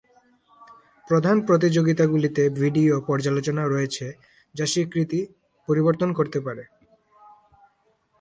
প্রধান প্রতিযোগিতাগুলিতে ভিডিও পর্যালোচনা রয়েছে যা স্বীকৃতি পরিবর্তন করতে পারে।